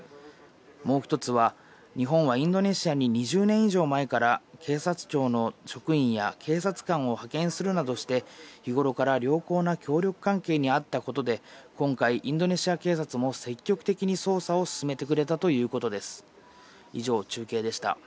もう１つは、日本はインドネシアに２０年以上前から警察庁の職員や警察官を派遣するなどして、日頃から良好な協力関係にあったことで、今回、インドネシア警察も積極的に捜査を進めてくれたということです。